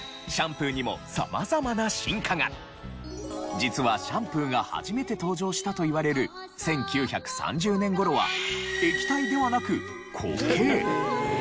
実はシャンプーが初めて登場したといわれる１９３０年頃は液体ではなく固形。